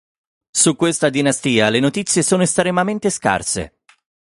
Su questa dinastia le notizie sono estremamente scarse.